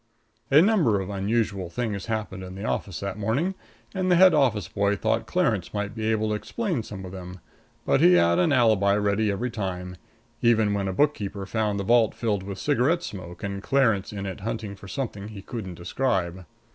A number of unusual things happened in the offices that morning, and the head office boy thought Clarence might be able to explain some of them, but he had an alibi ready every time even when a bookkeeper found the vault filled with cigarette smoke and Clarence in it hunting for something he couldn't describe.